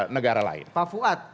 negara lain pak fuad